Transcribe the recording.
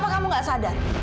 apa kamu gak sadar